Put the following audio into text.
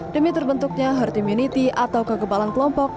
demi terbentuknya herd immunity atau kekebalan kelompok